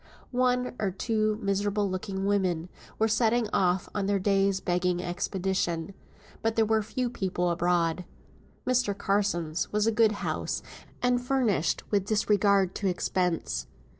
One or two miserable looking women were setting off on their day's begging expedition. But there were few people abroad. Mr. Carson's was a good house, and furnished with disregard to expense.